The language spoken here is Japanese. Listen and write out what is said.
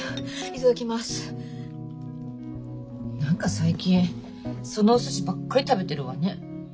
何か最近そのおすしばっかり食べてるわね。